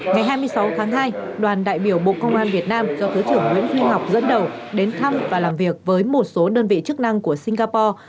ngày hai mươi sáu tháng hai đoàn đại biểu bộ công an việt nam do thứ trưởng nguyễn duy ngọc dẫn đầu đến thăm và làm việc với một số đơn vị chức năng của singapore